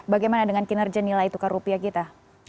bagaimana dengan kinerja nilai tukar rupiah kita